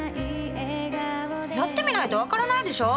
やってみないと分からないでしょ？